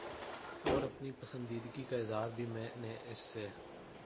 اور اپنی پسندیدگی کا اظہار بھی میں نے اس سے